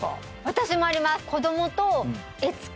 私もあります